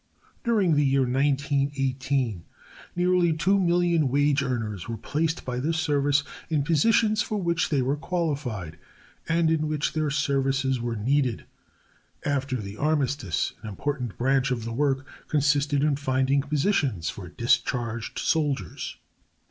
During the year 1918 nearly two million wage earners were placed by this service in positions for which they were qualified and in which their services were needed. After the armistice an important branch of the work consisted in finding positions for discharged soldiers.